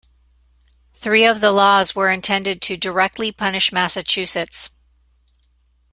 Three of the laws were intended to directly punish Massachusetts.